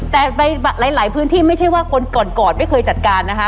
แต่หลายพื้นที่ไม่ใช่ว่าคนก่อนก่อนไม่เคยจัดการนะคะ